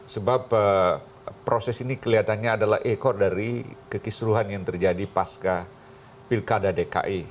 sebab proses ini kelihatannya adalah ekor dari kekisruhan yang terjadi pasca pilkada dki